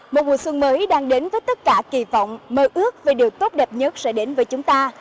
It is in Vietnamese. một mùa xuân mới đang đến với tất cả kỳ vọng mơ ước về điều tốt đẹp nhất sẽ đến với chúng ta